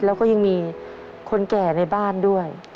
แล้วก็ยังมีคนแก่ในบ้านด้วย